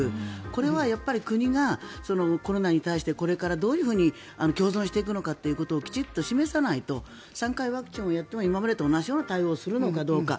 これは国がコロナに対してこれからどういうふうに共存していくのかということをきちんと示さないと３回ワクチンをやっても今までと同じような対応をするのかどうか。